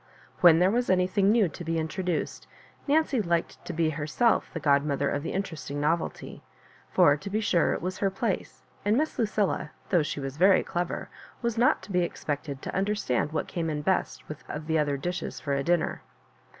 When there was anythidg new to be introduced, Nancy liked to be herself the godmother of the interesting novelty; for, to be sure, it was her place, and Miss Lucilla, though she was very clever, was not to be ex pected to understand what came in best with the other dishes for a dinner.